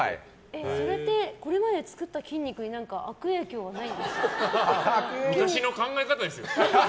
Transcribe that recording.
それってこれまでに作った筋肉に昔の考え方ですよ！